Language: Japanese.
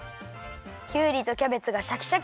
きゅうりとキャベツがシャキシャキ！